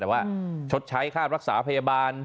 มีภาพจากกล้อมรอบหมาของเพื่อนบ้าน